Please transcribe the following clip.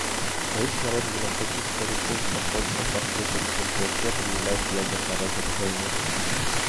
Корейская Народно-Демократическая Республика входит в состав группы, чьим приоритетом является ядерное разоружение.